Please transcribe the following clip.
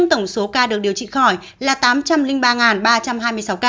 tổng số ca được điều trị khỏi là tám trăm linh ba ba trăm hai mươi sáu ca